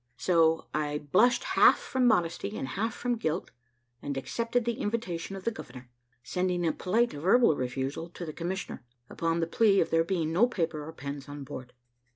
So I blushed half from modesty and half from guilt, and accepted the invitation of the governor; sending a polite verbal refusal to the commissioner, upon the plea of there being no paper or pens on board.